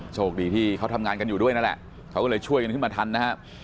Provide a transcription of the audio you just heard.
โชคดีที่เขาทำงานกันอยู่ด้วยนั่นแหละเขาก็เลยช่วยกันขึ้นมาทันนะครับ